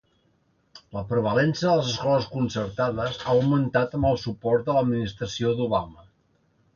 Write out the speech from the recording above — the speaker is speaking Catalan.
La prevalença de les escoles concertades ha augmentat amb el suport de l'administració d'Obama.